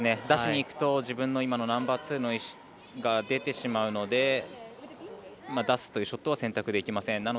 出しにいくと自分のナンバーツーの石が出てしまうので出すというショットは選択できません。